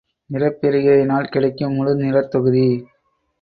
நிறப்பிரிகையினால் கிடைக்கும் முழு நிறத்தொகுதி.